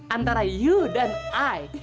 antara you dan i